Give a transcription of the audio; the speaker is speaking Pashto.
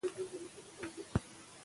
شمال د ونې لوړې څانګې لړزوي.